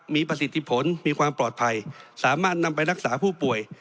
มีประสิทธิผลมีความปลอดภัยสามารถนำไปรักษาผู้ป่วย